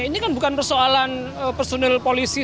ini kan bukan persoalan personil polisi